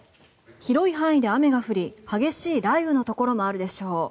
広い範囲で雨が降り激しい雷雨のところもあるでしょう。